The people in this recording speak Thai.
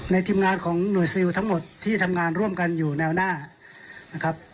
ทีมงานของหน่วยซิลทั้งหมดที่ทำงานร่วมกันอยู่แนวหน้านะครับ